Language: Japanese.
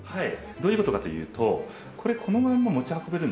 どういう事かというとこれこのまま持ち運べるんですよ